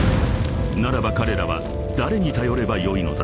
［ならば彼らは誰に頼ればよいのだろう］